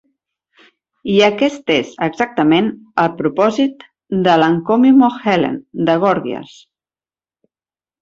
I aquest és exactament el propòsit de l'"Encomium of Helen" de Gorgias.